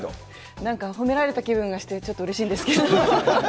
なんか褒められた気分がして、ちょっとうれしいんですけれども。